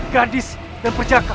gadis dan perjaka